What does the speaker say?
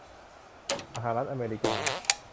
สหรัฐอเมริกา